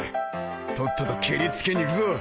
とっととけりつけにいくぞ。